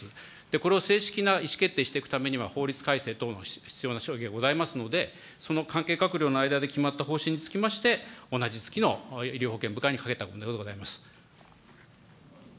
これを正式な意思決定していくためには、法律改正等の必要ながございますので、その関係閣僚の間で決まった方針につきまして、同じ月の医療保険部会にかけたのでございます。